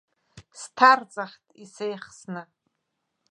Сҭарҵахт исеихсны.